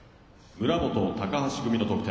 村元高橋組の得点。